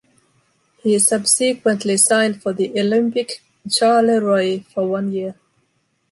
He subsequently signed for the Olympic Charleroi for one year.